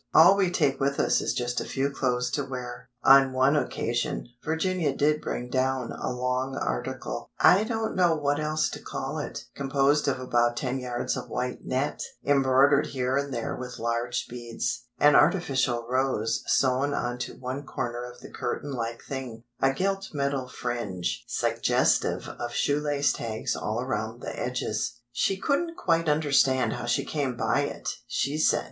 All we take with us is just a few clothes to wear. On one occasion Virginia did bring down a long "article" (I don't know what else to call it) composed of about ten yards of white net, embroidered here and there with large beads, an artificial rose sewn on to one corner of the curtain like thing, a gilt metal fringe suggestive of shoelace tags all around the edges. She couldn't quite understand how she came by it, she said.